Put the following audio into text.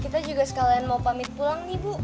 kita juga sekalian mau pamit pulang nih bu